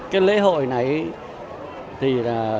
cái lễ hội này thì là